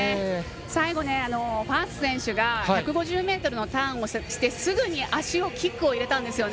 最後、ファース選手が１５０ｍのターンをしてすぐに足をキックを入れたんです。